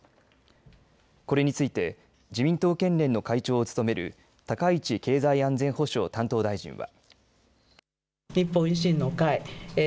これについて自民党県連の会長を務める高市経済安全保障担当大臣は。